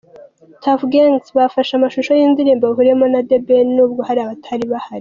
Tuff Gangz bafashe amashusho y'indirimbo bahuriyeho na The Ben nubwo hari abatari bahari.